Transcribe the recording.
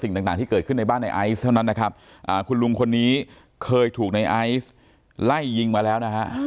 รายละครับคุณลูกวันนี้เคยถูกในไอซ์ไล่ยิงมาแล้ว